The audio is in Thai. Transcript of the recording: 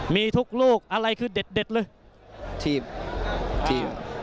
มีทุกลูกอะไรคือเด็ดเลยถีบถีบ